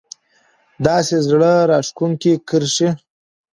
داسې زړه راښکونکې کرښې